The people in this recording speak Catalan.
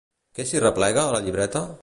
Què s'hi replega a la llibreta?